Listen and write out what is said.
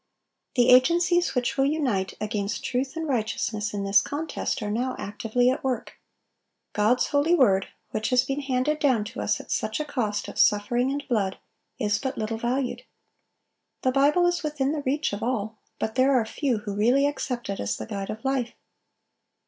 The agencies which will unite against truth and righteousness in this contest are now actively at work. God's holy word, which has been handed down to us at such a cost of suffering and blood, is but little valued. The Bible is within the reach of all, but there are few who really accept it as the guide of life.